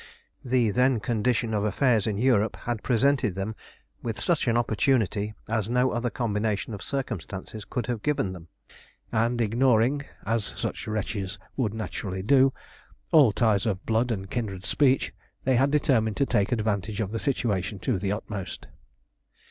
The then condition of affairs in Europe had presented them with such an opportunity as no other combination of circumstances could have given them, and ignoring, as such wretches would naturally do, all ties of blood and kindred speech, they had determined to take advantage of the situation to the utmost.